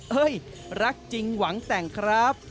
เฮ้ยรักจริงหวังแต่งครับ